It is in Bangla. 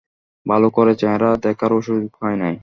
ভালো করে চেহারা দেখারও সুযোগ হয় না।